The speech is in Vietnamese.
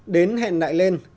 đến hẹn nại lên